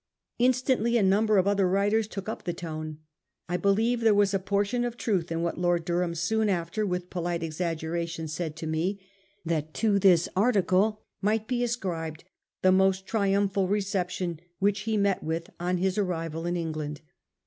Instantly a number of other writers took up the tone. I believe there was a portion of truth in what Lord Durham soon after, with polite exaggeration, said to me, that to this article might be ascribed the almost triumphal reception which he met with on his arrival in Eng land.